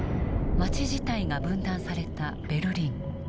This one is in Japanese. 街自体が分断されたベルリン。